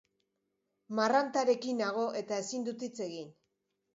Marrantarekin nago eta ezin dut hitz egin.